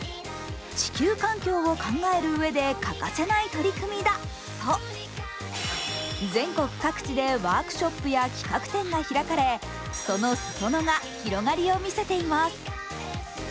地球環境を考えるうえで欠かせない取り組みだと、全国各地でワークショップや企画展が開かれその裾野が広がりを見せています。